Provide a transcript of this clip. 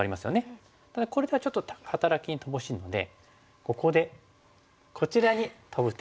ただこれではちょっと働きに乏しいのでここでこちらにトブ手。